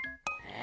え？